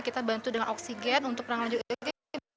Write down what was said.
kita bantu dengan oksigen untuk menangani ujian